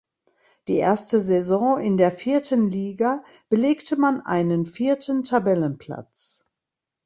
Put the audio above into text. Die erste Saison in der vierten Liga belegte man einen vierten Tabellenplatz.